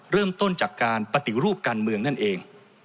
เริ่มต้นจากการปฏิรูปการเมืองนั่นเอง